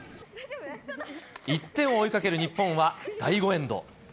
１点を追いかける日本は、第５エンド。